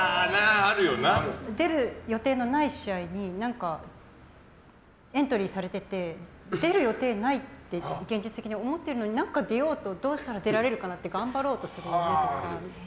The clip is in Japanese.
出る予定のない試合に何か、エントリーされてて出る予定ないって現実的に思ってるのに、出ようとどうしたら出られるかと頑張る夢とか。